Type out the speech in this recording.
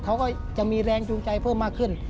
เขาก็จะมีแรงจูงใจเพิ่มมากขึ้น